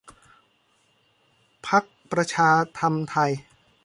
พรรคประชาธรรมไทย